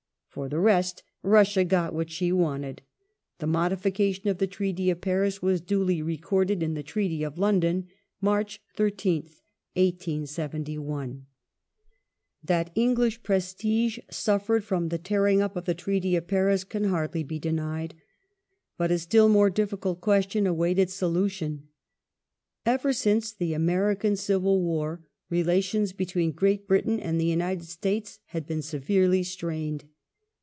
For the rest, Russia got what she wanted : the modification of the Treaty of Paris was duly recorded in the Treaty of London (March 13th, 1871).! The That English prestige suffered from the tearing up of the A^bft?^"* Treaty of Paris can hardly be denied. But a still more difficult tion question awaited solution. Ever since the American Civil War relations between Great Britain and the United States had been severely strained.